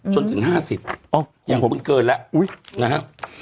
จนถึงห้าสิบอ้ออย่างคุณเกินแล้วอุ้ยนะฮะ